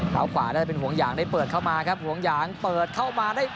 ขวาน่าจะเป็นห่วงยางได้เปิดเข้ามาครับห่วงยางเปิดเข้ามาได้